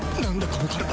この体。